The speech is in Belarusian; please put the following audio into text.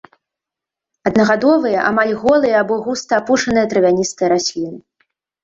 Аднагадовыя, амаль голыя або густа апушаныя травяністыя расліны.